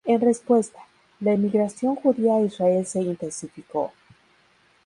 En respuesta, la emigración judía a Israel se intensificó.